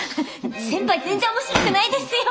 先輩全然面白くないですよ！